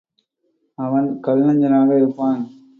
அவன் கல்நெஞ்சனாக இருப்பான்.